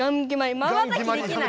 まばたきできない。